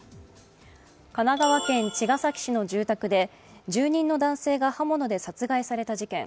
神奈川県茅ヶ崎市の住宅で住人の男性が刃物で殺害された事件。